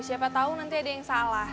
siapa tahu nanti ada yang salah